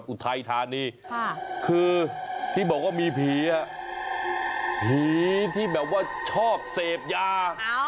อุทัยธานีคือที่บอกว่ามีผีผีที่แบบว่าชอบเสพยา